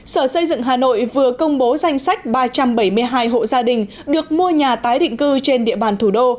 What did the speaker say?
sở xây dựng hà nội vừa công bố danh sách ba trăm bảy mươi hai hộ gia đình được mua nhà tái định cư trên địa bàn thủ đô